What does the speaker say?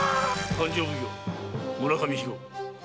勘定奉行・村上肥後。